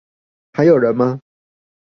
還有人嗎？